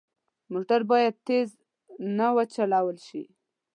موټر باید تېز نه وچلول شي.